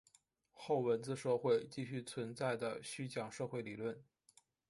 后文字社会继续存在的虚讲社会理论。